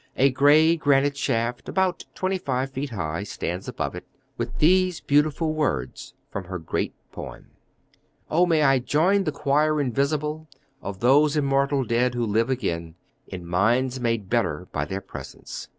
A gray granite shaft, about twenty five feet high, stands above it, with these beautiful words from her great poem: "O may I join the choir invisible, Of those immortal dead who live again In minds made better by their presence."